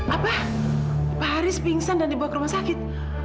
apa pak haris pingsan dan dibawa ke rumah sakit